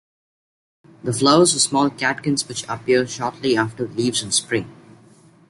The flowers are small catkins which appear shortly after the leaves in spring.